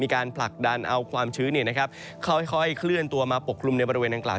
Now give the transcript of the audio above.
ผลักดันเอาความชื้นค่อยเคลื่อนตัวมาปกคลุมในบริเวณดังกล่าว